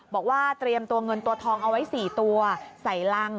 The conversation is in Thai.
บอกว่าเตรียมตัวเงินตัวทองเอาไว้๔ตัวใส่รัง